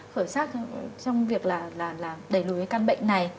khởi sắc trong việc là đẩy lùi cái căn bệnh này